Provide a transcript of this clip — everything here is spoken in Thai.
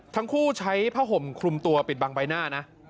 ทั้งคู่ใช้ผ้าห่มคลุมตัวปิดบังใบหน้านะ